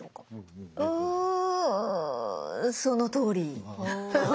んそのとおり！